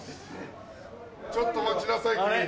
ちょっと待ちなさい君。